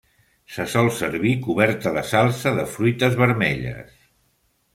Se sol servir coberta de salsa de fruites vermelles.